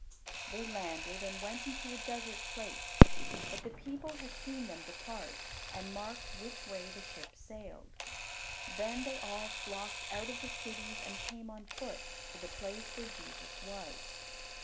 They landed, and went into a desert place; but the people had seen them depart, and marked which way the ship sailed. Then they all flocked out of the cities and came on foot to the place where Jesus was.